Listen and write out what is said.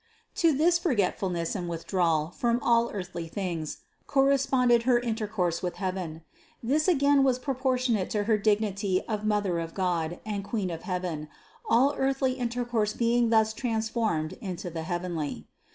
647. To this forgetfulness and withdrawal from all 500 THE CONCEPTION 501 earthly things corresponded her intercourse with heaven ; this again was proportionate to her dignity of Mother of God and Queen of heaven, all earthly intercourse being thus transformed into the heavenly.